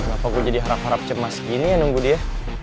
apa gue jadi harap harap cemas gini nunggu dia